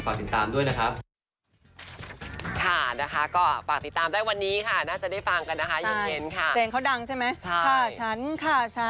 ติดตามด้วยนะครับ